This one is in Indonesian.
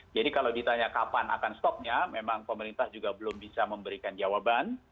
jadi kalau ditanya kapan akan stopnya memang pemerintah juga belum bisa memberikan jawaban